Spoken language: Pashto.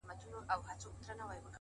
صادق چلند اوږد درناوی ګټي؛